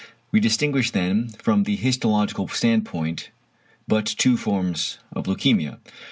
We distinguish then, from the histological standpoint, but two forms of leukæmia: 1.